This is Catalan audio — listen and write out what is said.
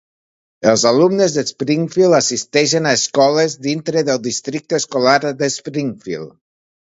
Els alumnes de Springfield assisteixen a escoles dintre del Districte Escolar de Springfield.